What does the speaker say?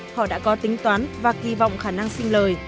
họ đã có tính toán và kỳ vọng khả năng xin lời